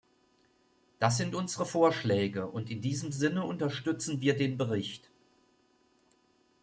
Das sind unsere Vorschläge, und in diesem Sinne unterstützen wir den Bericht.